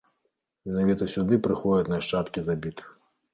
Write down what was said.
Менавіта сюды прыходзяць нашчадкі забітых.